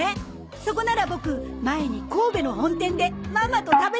そこならボク前に神戸の本店でママと食べたことあるよ。